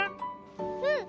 うん！